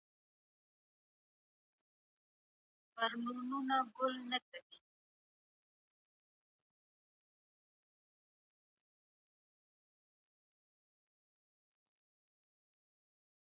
په لاس خط لیکل د ژوند د خوږو شیبو د ثبتولو وسیله ده.